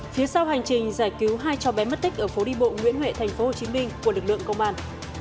phía sau hành trình giải cứu hai cho bé mất tích ở phố đi bộ nguyễn huệ tp hcm của lực lượng công an